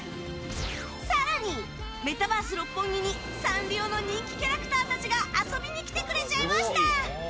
更に、メタバース六本木にサンリオの人気キャラクターたちが遊びに来てくれちゃいました！